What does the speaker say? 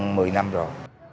hơn một mươi năm rồi